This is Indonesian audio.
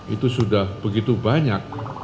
itu sudah begitu banyak